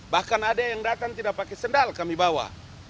bahkan ada yang datang tidak pakai sendal kami bawa